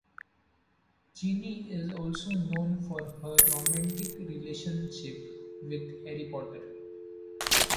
Ginny is also known for her romantic relationship with Harry Potter.